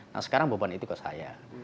nah sekarang beban itu ke saya